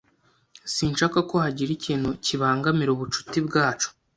Sinshaka ko hagira ikintu kibangamira ubucuti bwacu.